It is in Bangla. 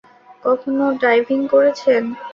কখনো ডাইভিং করেছেন?